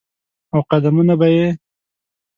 او قدمونه به یې،